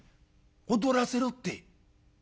「『踊らせろ』って」。